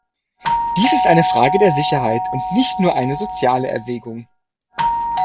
Dies ist eine Frage der Sicherheit und nicht nur eine soziale Erwägung.